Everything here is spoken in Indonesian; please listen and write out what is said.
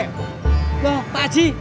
loh pak haji